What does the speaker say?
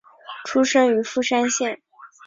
出身于富山县。